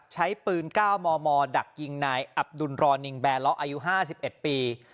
ใช้ปืน๙มมดักยิงนายอับดุลรอนิงแบร์เลาะอายุ๕๑ปี